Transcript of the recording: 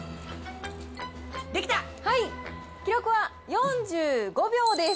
記録は４５秒です。